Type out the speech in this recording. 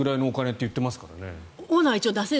これぐらいのお金だと言っていますからね。